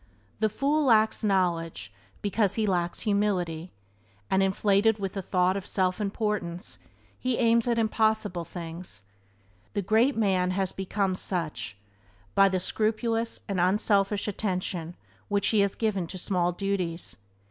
The fool lacks knowledge because he lacks humility, and, inflated with the thought of self importance, he aims at impossible things. The great man has become such by the scrupulous and unselfish attention which he has given to small duties.